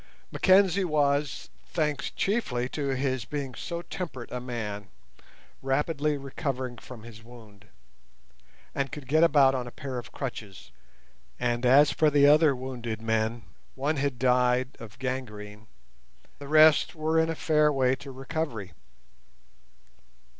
Mackenzie was, thanks chiefly to his being so temperate a man, rapidly recovering from his wound, and could get about on a pair of crutches; and as for the other wounded men, one had died of gangrene, and the rest were in a fair way to recovery.